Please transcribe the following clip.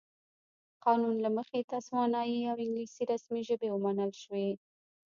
قانون له مخې تسوانایي او انګلیسي رسمي ژبې ومنل شوې.